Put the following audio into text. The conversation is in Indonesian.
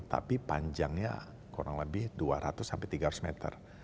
tapi panjangnya kurang lebih dua ratus sampai tiga ratus meter